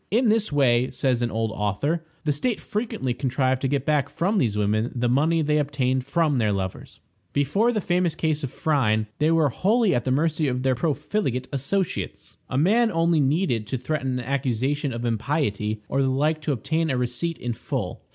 In this way, says an old author, the state frequently contrived to get back from these women the money they obtained from their lovers. Before the famous case of Phryne, they were wholly at the mercy of their profligate associates. A man only needed to threaten an accusation of impiety or the like to obtain a receipt in full.